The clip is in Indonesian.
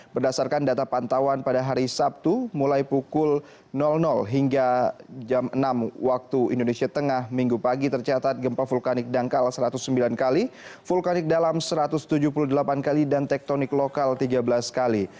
berdasarkan data pantauan pada hari sabtu mulai pukul hingga jam enam waktu indonesia tengah minggu pagi tercatat gempa vulkanik dangkal satu ratus sembilan kali vulkanik dalam satu ratus tujuh puluh delapan kali dan tektonik lokal tiga belas kali